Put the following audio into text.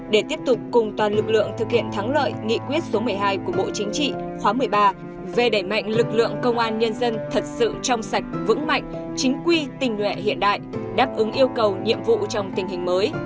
để tiếp tục cùng toàn lực lượng thực hiện thắng lợi nghị quyết số một mươi hai của bộ chính trị khóa một mươi ba về đẩy mạnh lực lượng công an nhân dân thật sự trong sạch vững mạnh chính quy tình nguyện hiện đại đáp ứng yêu cầu nhiệm vụ trong tình hình mới